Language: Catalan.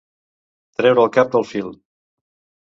Treure el cap del fil.